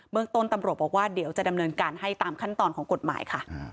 เมืองต้นตำรวจบอกว่าเดี๋ยวจะดำเนินการให้ตามขั้นตอนของกฎหมายค่ะ